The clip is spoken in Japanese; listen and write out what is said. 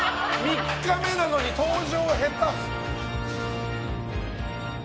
３日目なのに登場、下手！